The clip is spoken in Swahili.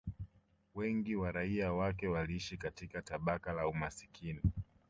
Wengi wa raia wake waliishi katika tabaka la umaskini